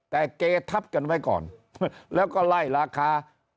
แต่เกทับกันไว้ก่อนแล้วก็ไล่ราคา